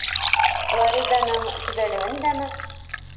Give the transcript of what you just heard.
Флориданың... төҙәлеүен дәме?!